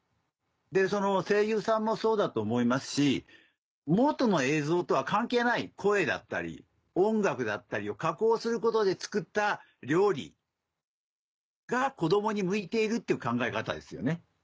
でその声優さんもそうだと思いますし元の映像とは関係ない声だったり音楽であったりを加工することで作った料理が子供に向いているっていう考え方ですよね。